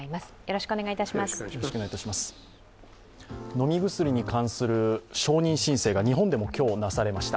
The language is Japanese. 飲み薬に関する承認申請が日本でも今日なされました。